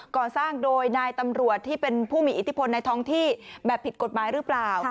ก่อสร้างโดยนายตำรวจที่เป็นผู้มีอิทธิพลในท้องที่แบบผิดกฎหมายหรือเปล่า